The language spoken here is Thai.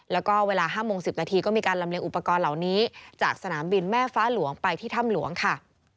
แล้วก็เวลา๕โมง๑๐นาทีก็มีการลำเลียงอุปกรณ์เหล่านี้จากสนามบินแม่ฟ้าหลวงไปที่ถ้ำหลวงค่ะ